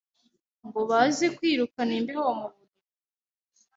ngo baze kwirukana imbeho mu buriri